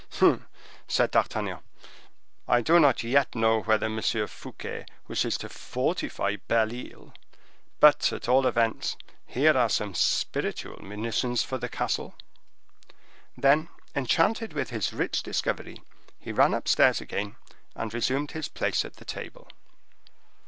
"Humph!" said D'Artagnan, "I do not yet know whether M. Fouquet wishes to fortify Belle Isle; but, at all events, here are some spiritual munitions for the castle." Then, enchanted with his rich discovery, he ran upstairs again, and resumed his place at the table.